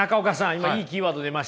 今いいキーワード出ましたね。